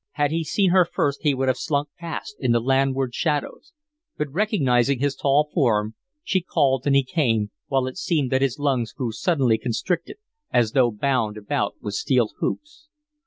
Had he seen her first he would have slunk past in the landward shadows; but, recognizing his tall form, she called and he came, while it seemed that his lungs grew suddenly constricted, as though bound about with steel hoops.